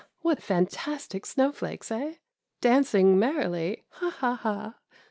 What fantastic snow flakes, eh. Dancing merrily, ha ! ha ! ha !